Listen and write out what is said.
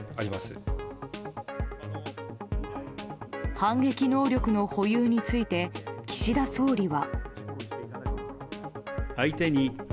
反撃能力の保有について岸田総理は。